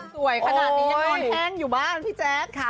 สวยขนาดนี้ยังนอนแห้งอยู่บ้างพี่แจ๊ค